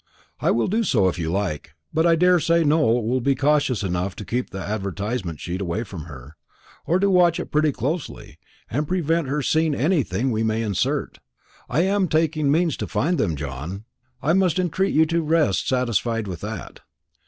"I will do so if you like; but I daresay Nowell will be cautious enough to keep the advertisement sheet away from her, or to watch it pretty closely, and prevent her seeing anything we may insert. I am taking means to find them, John. I must entreat you to rest satisfied with that."